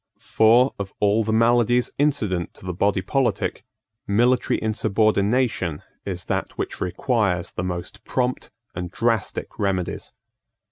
For, of all the maladies incident to the body politic, military insubordination is that which requires the most prompt and drastic remedies.